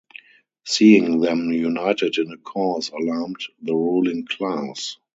Seeing them united in a cause alarmed the ruling class.